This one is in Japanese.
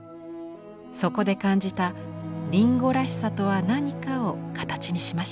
そこで感じた「りんごらしさとは何か」を形にしました。